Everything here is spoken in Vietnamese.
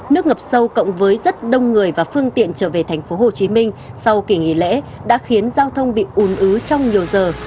nước ngập sâu cộng với rất đông người và phương tiện trở về thành phố hồ chí minh sau kỷ nghỉ lễ đã khiến giao thông bị ùn ứ trong nhiều giờ